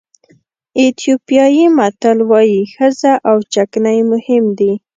ایتیوپیایي متل وایي ښځه او چکنۍ مهم دي.